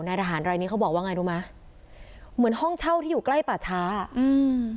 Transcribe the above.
ทหารรายนี้เขาบอกว่าไงรู้ไหมเหมือนห้องเช่าที่อยู่ใกล้ป่าช้าอ่ะอืม